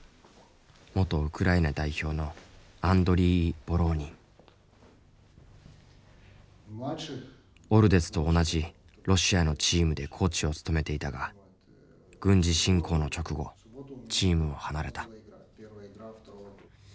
元ウクライナ代表のオルデツと同じロシアのチームでコーチを務めていたが軍事侵攻の直後チームを離れた。